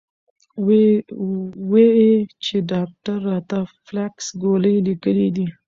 وې ئې چې ډاکټر راته فلکس ګولۍ ليکلي دي -